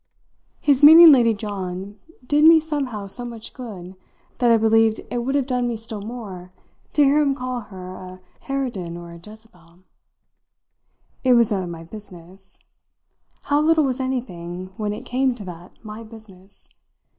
His meaning Lady John did me somehow so much good that I believed it would have done me still more to hear him call her a harridan or a Jezebel. It was none of my business; how little was anything, when it came to that, my business!